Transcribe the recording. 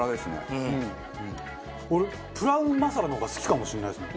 俺プラウンマサラの方が好きかもしれないですね。